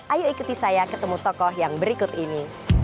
ayo ikuti saya ketemu tokoh yang berikut ini